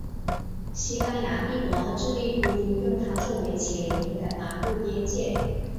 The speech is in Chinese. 西班牙帝国和智利都督用它作为其领土的南部边界。